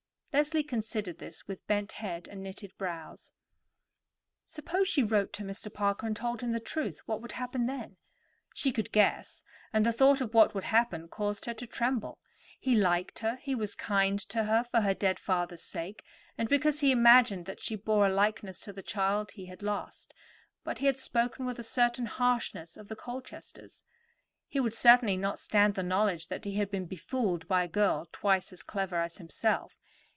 Leslie considered this with bent head and knitted brows. Suppose she wrote to Mr. Parker, and told him the truth, what would happen then? She could guess, and the thought of what would happen caused her to tremble. He liked her; he was kind to her for her dead father's sake and because he imagined that she bore a likeness to the child he had lost; but he had spoken with a certain harshness of the Colchesters. He would certainly not stand the knowledge that he had been befooled by a girl twice as clever as himself.